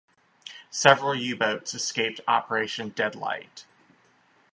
Several U-boats escaped Operation "Deadlight".